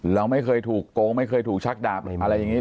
เราไม่เคยถูกโกงไม่เคยถูกชักดาบอะไรอย่างนี้